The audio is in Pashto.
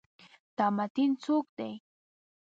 دا متین څوک دی؟